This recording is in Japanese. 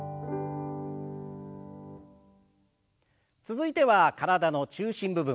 続いては体の中心部分。